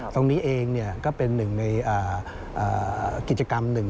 ตรงนี้เองก็เป็นหนึ่งในกิจกรรมหนึ่ง